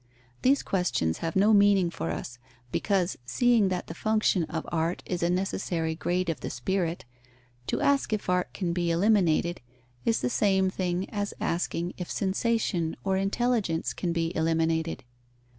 These questions have no meaning for us, because, seeing that the function of art is a necessary grade of the spirit, to ask if art can be eliminated is the same thing as asking if sensation or intelligence can be eliminated.